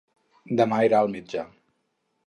Demà irà al metge.